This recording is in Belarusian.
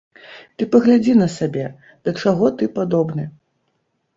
Ты паглядзі на сябе, да чаго ты падобны.